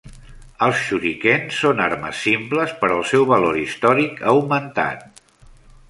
Els shuriken són armes simples, però el seu valor històric ha augmentat.